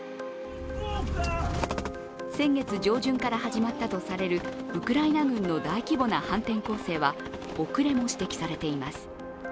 先月上旬から始まったとされる、ウクライナ軍の大規模な反転攻勢は遅れも指摘されています。